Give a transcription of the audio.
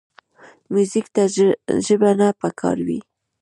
موزیک ته ژبه نه پکار وي.